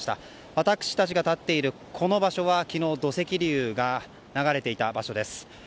私たちが立っているこの場所は昨日、土石流が流れていた場所です。